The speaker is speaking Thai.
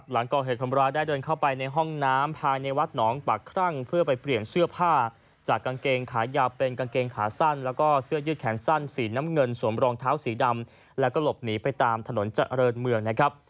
หลังก่อเหตุคนร้ายได้เดินเข้าไปในห้องน้ำภายในวัดหนองปากครั่งเพื่อไปเปลี่ยนเสื้อผ้าจากกางเกงขายาวเป็นกางเกงขาสั้นแล้วก็เสื้อยืดแขนสั้นสีน้ำเงินสวมรองเท้าสีดำแล้วก็หลบหนีไปตามถนนเจริญเมืองนะครับ